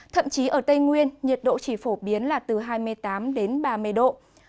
thậm chí ở tây nguyên nhiệt độ chỉ phổ biến là từ hai mươi tám đến ba mươi độ